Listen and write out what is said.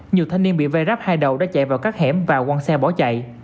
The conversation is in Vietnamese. nhiều thanh niên bị vây ráp hai đầu đã chạy vào các hẻm và quăng xe bỏ chạy